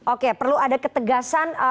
oke perlu ada ketegasan